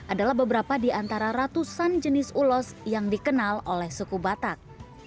adalah beberapa di antara ratusan jenis ulos yang dikenal oleh suku batak